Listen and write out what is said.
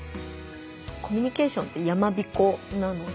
コミュニケーションってやまびこなので。